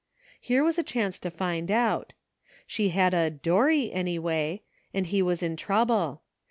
Here was a chance to find out. She had a ''Dorry," any way, and he was in trouble.